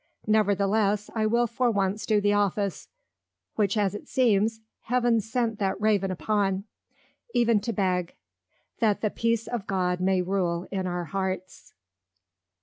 _ Nevertheless, I will for once do the Office, which as it seems, Heaven sent that Raven upon; even to beg, _That the Peace of God may Rule in our Hearts.